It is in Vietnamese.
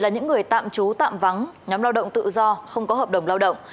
người tạm trú tạm vắng nhóm lao động tự do không có hợp đồng lao động